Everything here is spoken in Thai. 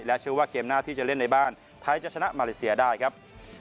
เชื่อว่าเกมหน้าที่จะเล่นในบ้านไทยจะชนะมาเลเซียได้ครับ